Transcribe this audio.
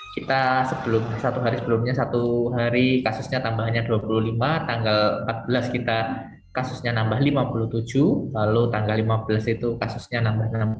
kita satu hari sebelumnya satu hari kasusnya tambahannya dua puluh lima tanggal empat belas kita kasusnya nambah lima puluh tujuh lalu tanggal lima belas itu kasusnya nambah enam puluh